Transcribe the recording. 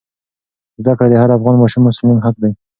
زده کړه د هر افغان ماشوم مسلم حق دی.